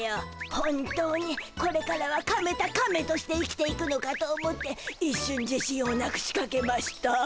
本当にこれからは亀田カメとして生きていくのかと思っていっしゅん自信をなくしかけました。